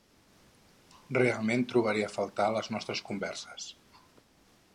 Realment trobaré a faltar les nostres converses.